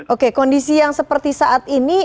oke kondisi yang seperti saat ini